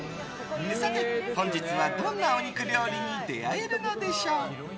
さて、本日はどんなお肉料理に出会えるのでしょう？